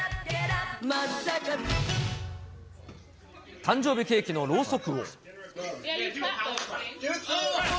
誕生日ケーキのろうそくを。